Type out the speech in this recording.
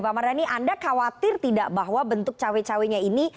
pak mardhani anda khawatir tidak bahwa bentuk cawe cawenya ini